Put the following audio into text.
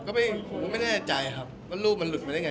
ผมก็ไม่แน่ใจครับว่ารูปมันหลุดมาได้ไง